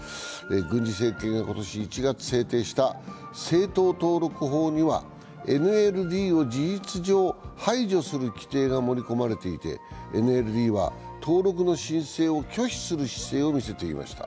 軍事政権が今年１月制定した政党登録法には、ＮＬＤを事実上、排除する規定が盛り込まれていてＮＬＤは登録の申請を拒否する姿勢をみせていました。